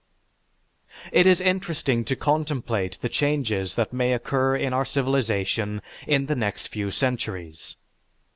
_) It is interesting to contemplate the changes that may occur in our civilization in the next few centuries.